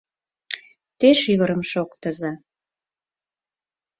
Те шӱвырым шоктыза